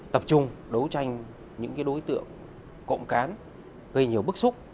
tập trung đấu tranh những đối tượng cộng cán gây nhiều bức xúc